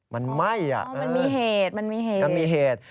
มันไหม้อ่ะค่ะค่ะค่ะค่ะค่ะค่ะมันมีเหตุ